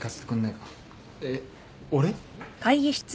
えっ俺？